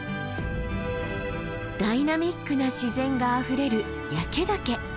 ダイナミックな自然があふれる焼岳。